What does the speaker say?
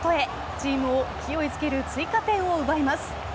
チームを勢いづける追加点を奪います。